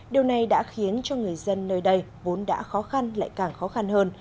điều này đã khiến cho người dân nơi đây vốn đã khó khăn lại càng khó khăn hơn